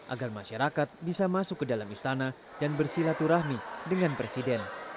agar masyarakat bisa masuk ke dalam istana dan bersilaturahmi dengan presiden